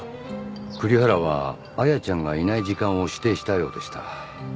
栗原は綾ちゃんがいない時間を指定したようでした。